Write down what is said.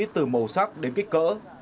từ màu sắc đến kích cỡ